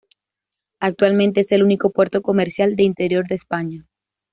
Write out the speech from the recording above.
Actualmente es el único puerto comercial de interior de España.